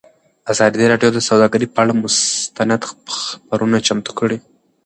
ازادي راډیو د سوداګري پر اړه مستند خپرونه چمتو کړې.